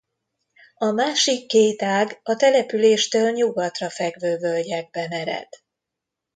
A másik két ág a településtől nyugatra fekvő völgyekben ered.